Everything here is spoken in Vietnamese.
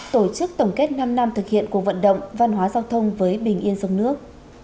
tổ chức tổng kết năm năm thực hiện cuộc vận động văn hóa giao thông với bình yên sông nước